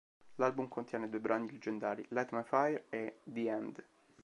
L'album contiene due brani leggendari: "Light My Fire" e "The End".